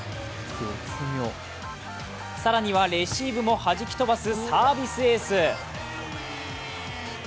更にはレシーブも弾き飛ばすサービスエース。